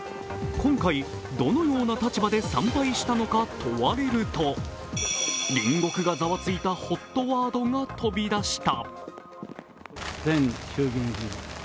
今回、どのような立場で参拝したのか問われると、隣国がザワついたＨＯＴワードが飛び出した。